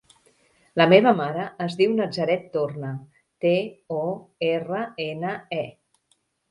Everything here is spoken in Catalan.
La meva mare es diu Nazaret Torne: te, o, erra, ena, e.